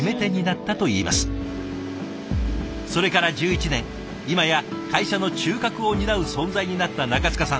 それから１１年今や会社の中核を担う存在になった中塚さん。